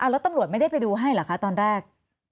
แล้วตำรวจไม่ได้ไปดูให้เหรอคะตอนแรก